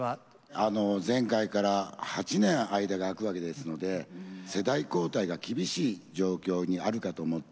あの前回から８年間が空くわけですので世代交代が厳しい状況にあるかと思ってます。